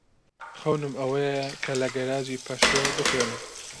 خەونم ئەوەیە کە لە کەراچی پەشتۆ بخوێنم.